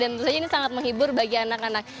dan tentu saja ini sangat menghibur bagi anak anak